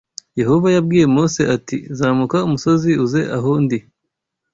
Yehova yabwiye Mose ati zamuka umusozi uze aho ndi.